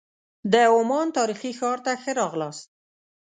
د عمان تاریخي ښار ته ښه راغلاست.